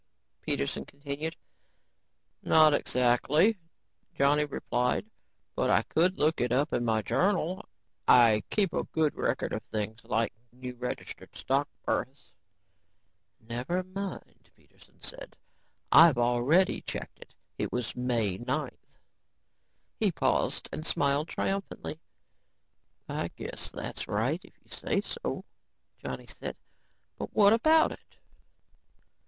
Peterson continued. "Not exactly," Johnny replied, "but I could look it up in my journal. I keep a good record of things like new registered stock births." "Never mind," Peterson said. "I've already checked. It was May 9th." He paused and smiled triumphantly. "I guess that's right if you say so," Johnny said. "But what about it?"